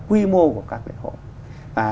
quy mô của các lễ hội